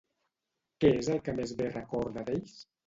Què és el que més bé recorda d'ells?